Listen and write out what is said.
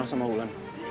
kenal sama wulan